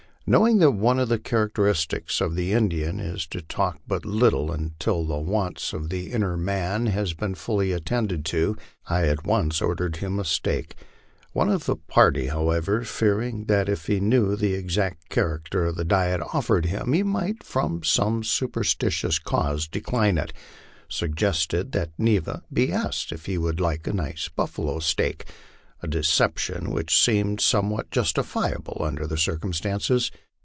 Knowing that one of the characteristics of the Indian is to talk but little until the want^s of the inner man have been fully attended to, I at once ordered him a steak. One of the party, however, fearing that if he knew the exact character of the diet offered him he might from some su perstitious cause decline it, suggested that Neva be asked if he would like a nice buffalo steak, a deception which seemed somewhat justifiable under the circumstances.